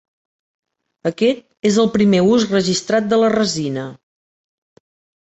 Aquest és el primer us registrat de la resina.